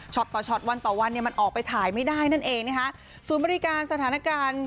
ต่อช็อตวันต่อวันเนี่ยมันออกไปถ่ายไม่ได้นั่นเองนะคะศูนย์บริการสถานการณ์